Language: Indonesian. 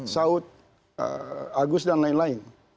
saud agus dan lain lain